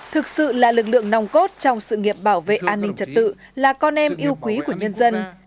thực sự là lực lượng nòng cốt trong sự nghiệp bảo vệ an ninh trật tự là con em yêu quý của nhân dân